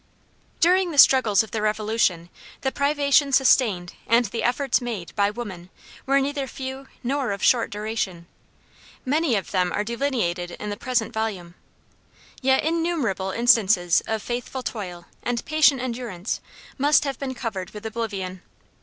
During the struggles of the Revolution, the privations sustained, and the efforts made, by women, were neither few nor of short duration. Many of them are delineated in the present volume. Yet innumerable instances of faithful toil, and patient endurance, must have been covered with oblivion.